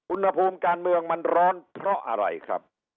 อุณหภูมิการเมืองมันร้อนเพราะอะไรครับ